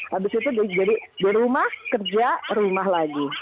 habis itu jadi di rumah kerja rumah lagi